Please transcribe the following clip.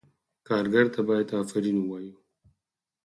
کارګر ته باید آفرین ووایو.